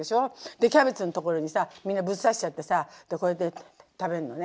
でキャベツのところにさみんなぶっ刺しちゃってさこれで食べんのね。